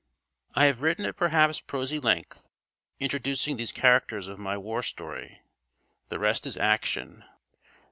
I have written at perhaps prosy length, introducing these characters of my war story. The rest is action.